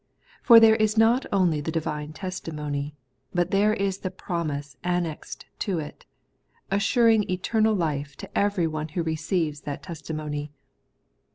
For there is not only the divine testimony, but there is the promise annexed to it, assuring eternal life to every one who receives that testimony.